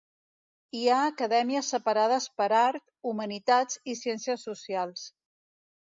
Hi ha acadèmies separades per Art, Humanitats i Ciències Socials.